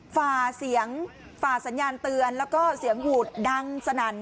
ฝ่าเสียงฝ่าสัญญาณเตือนแล้วก็เสียงหูดดังสนั่น